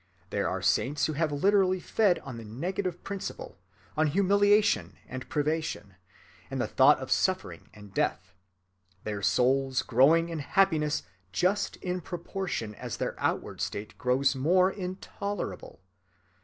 There are saints who have literally fed on the negative principle, on humiliation and privation, and the thought of suffering and death,—their souls growing in happiness just in proportion as their outward state grew more intolerable.